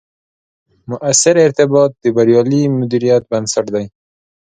مؤثر ارتباط، د بریالي مدیریت بنسټ دی